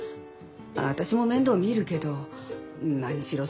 私も面倒見るけど何しろ